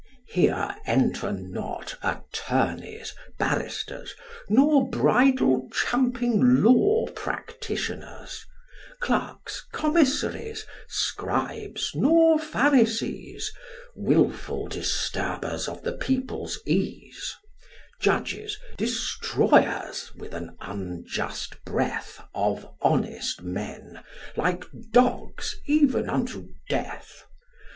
Here enter not attorneys, barristers, Nor bridle champing law practitioners: Clerks, commissaries, scribes, nor pharisees, Wilful disturbers of the people's ease: Judges, destroyers, with an unjust breath, Of honest men, like dogs, even unto death.